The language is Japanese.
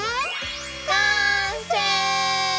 完成！